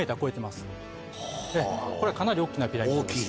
これかなり大きなピラミッドです。